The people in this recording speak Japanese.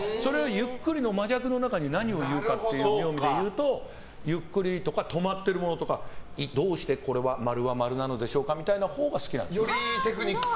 ゆっくりの間の中に何を言うのかというとゆっくりや、止まってるものどうして○は○なのでしょうかみたいなほうが好きなんですよ。